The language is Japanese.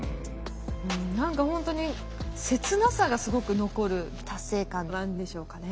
何かほんとに切なさがすごく残る達成感なんでしょうかね。